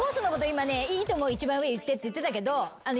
今ねいいと思う一番上いってって言ってたけど一番最初にコース